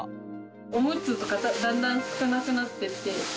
おむつとかだんだん少なくなってって。